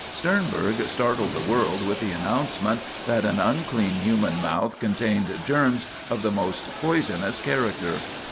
Sternberg startled the world with the announcement that an unclean human mouth contained germs of the most poisonous character.